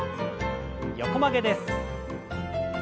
横曲げです。